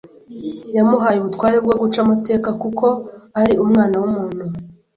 yamuhaye ubutware bwo guca amateka kuko ari Umwana w’Umuntu.”